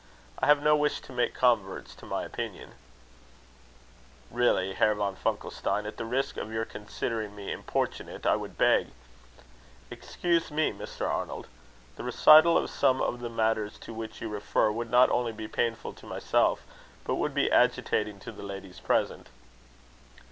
I have no wish to make converts to my opinions." "Really, Herr von Funkelstein, at the risk of your considering me importunate, I would beg " "Excuse me, Mr. Arnold. The recital of some of the matters to which you refer, would not only be painful to myself, but would be agitating to the ladies present."